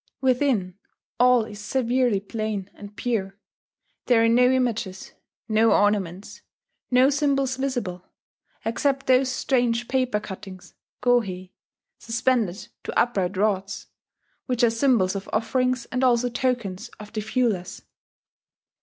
Within, all is severely plain and pure: there are no images, no ornaments, no symbols visible except those strange paper cuttings (gohei), suspended to upright rods, which are symbols of offerings and also tokens of the viewless.